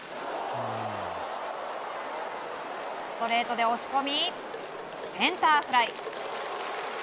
ストレートで押し込みセンターフライ。